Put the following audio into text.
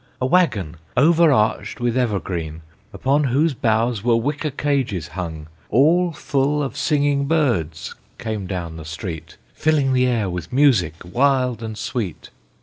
A wagon, overarched with evergreen, Upon whose boughs were wicker cages hung, All full of singing birds, came down the street, Filling the air with music wild and sweet.